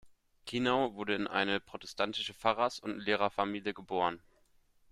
Kinau wurde in eine protestantische Pfarrers- und Lehrerfamilie geboren.